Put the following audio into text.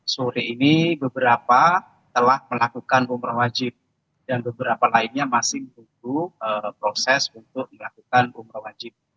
sore ini beberapa telah melakukan umroh wajib dan beberapa lainnya masih menunggu proses untuk melakukan umroh wajib